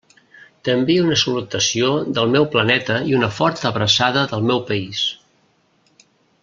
T'envie una salutació del meu planeta i una forta abraçada del meu país.